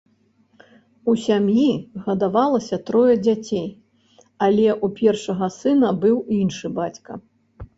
У сям'і гадавалася трое дзяцей, але ў першага сына быў іншы бацька.